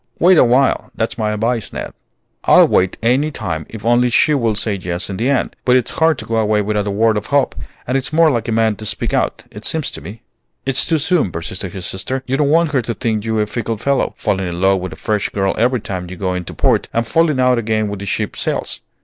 Wait awhile; that's my advice, Ned." "I'll wait any time if only she will say yes in the end. But it's hard to go away without a word of hope, and it's more like a man to speak out, it seems to me." "It's too soon," persisted his sister. "You don't want her to think you a fickle fellow, falling in love with a fresh girl every time you go into port, and falling out again when the ship sails.